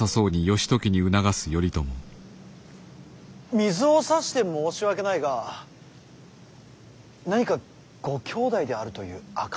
水をさして申し訳ないが何かご兄弟であるという証しのようなものは。